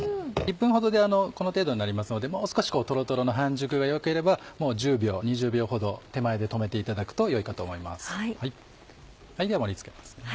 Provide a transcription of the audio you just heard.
１分ほどでこの程度になりますのでもう少しとろとろの半熟がよければもう１０秒２０秒ほど手前で止めていただくとよいかと思います。